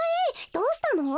どうしたの？